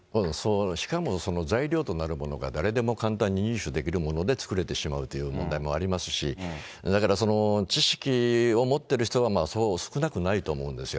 しかもその材料となるものが、誰でも簡単に入手できるもので作れてしまうという問題もありますし、だから知識を持ってる人がそう少なくないと思うんですよ。